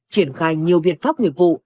triển khai nhiều biện pháp nhiệm vụ